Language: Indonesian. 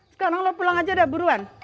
sekarang lo pulang aja ada buruan